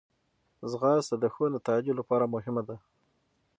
ځغاسته د ښو نتایجو لپاره مهمه ده